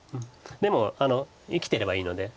でも生きてればいいので。